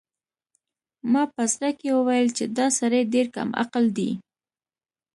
ما په زړه کې وویل چې دا سړی ډېر کم عقل دی.